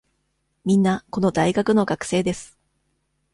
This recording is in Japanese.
みんな、この大学の学生です。